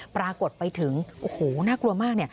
ปรากฏไปถึงโอ้โหน่ากลัวมาก